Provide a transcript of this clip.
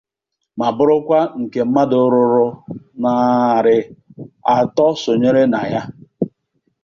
ma bụrụkwa nke mmadụ ruru narị atọ sonyere na ya